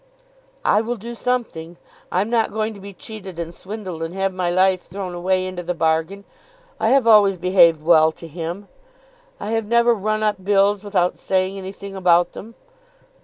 "I will do something. I'm not going to be cheated and swindled and have my life thrown away into the bargain. I have always behaved well to him. I have never run up bills without saying anything about them."